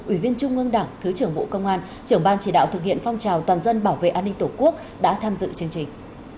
ủy viên trung ương đảng thứ trưởng bộ công an trưởng ban chỉ đạo thực hiện phong trào toàn dân bảo vệ an ninh tổ quốc đã tham dự chương trình